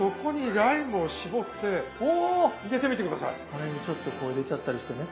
この辺にちょっとこう入れちゃったりしてね。